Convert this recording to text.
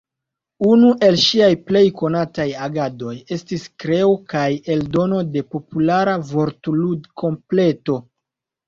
Unu el ŝiaj plej konataj agadoj estis kreo kaj eldono de populara vortlud-kompleto.